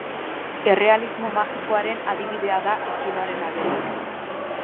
Errealismo magikoaren adibidea da estiloaren aldetik.